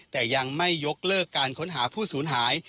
แต่ยังไม่ยกเลิกการค้นหาผู้สูญหาย